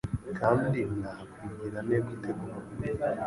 Kandi nakwibwira nte gute koko